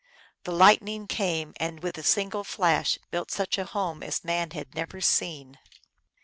" The Lightning came, and with a single flash built such a home as man had never seen.